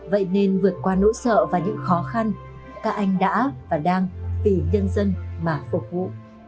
vậy nên vượt qua nỗi sợ và những khó khăn các anh đã và đang vì nhân dân mà phục vụ